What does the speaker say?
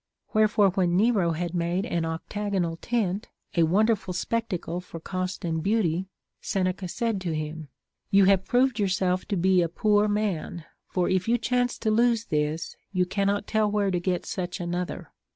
Wherefore when Nero had made an octagonal tent, a wonderful spectacle for cost and beauty, Seneca said to him : You have proved yourself to be a 54 CONCERNING THE CURE OF ANGER. poor man ; for if you chance to lose tliis, you cannot tell where to get such another.